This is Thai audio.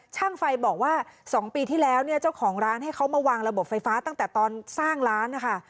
ช่างไฟบอกว่า๒ปีที่แล้วเนี่ยเจ้าของร้านให้เขามาวางระบบไฟฟ้าตั้งแต่ตอนสร้างร้านนะคะ